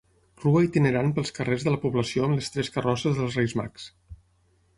Rua itinerant pels carrers de la població amb les tres carrosses dels Reis Mags.